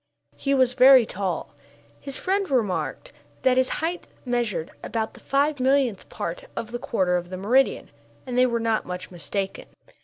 He was very tall. His friends remarked that his height measured about the five millionth part of the quarter of the meridian, and they were not much mistaken.